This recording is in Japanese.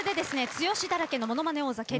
「剛だらけのものまね王座決定戦」